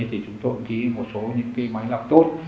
thì chúng tôi ký một số những cái máy lọc tốt